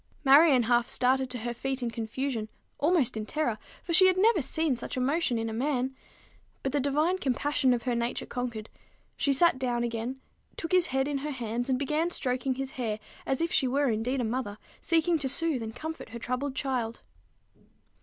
Marion half started to her feet in confusion, almost in terror, for she had never seen such emotion in a man; but the divine compassion of her nature conquered: she sat down again, took his head in her hands, and began stroking his hair as if she were indeed a mother seeking to soothe and comfort her troubled child.